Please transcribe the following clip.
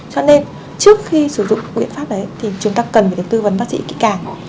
cho nên trước khi sử dụng biện pháp đấy thì chúng ta cần phải được tư vấn bác sĩ kỹ càng